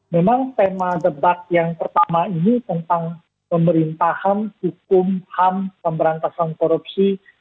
memang tema debat yang pertama ini tentang pemerintahan hukum ham pemberantasan korupsi